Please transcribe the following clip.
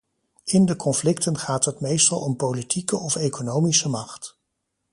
In de conflicten gaat het meestal om politieke of economische macht.